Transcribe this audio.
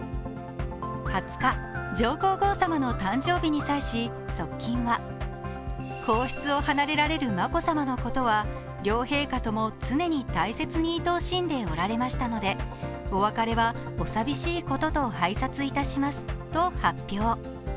２０日、上皇后さまの誕生日に際し側近は、皇室を離れられる眞子さまのことは両陛下共常に大切にいとおしんでおられましたので、お別れはお寂しいことと拝察いたしますと発表。